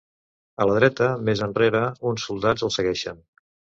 A la dreta, més enrere, uns soldats els segueixen.